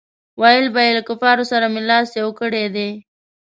ویل به یې له کفارو سره مې لاس یو کړی دی.